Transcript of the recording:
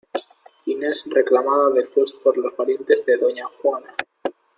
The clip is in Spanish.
Inés reclamada después por los parientes de doña juana.